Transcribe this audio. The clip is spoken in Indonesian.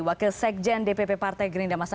wakil sekjen dpp partai gerindamasa